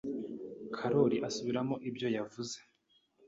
Karoli asubiramo ibyo yavuze.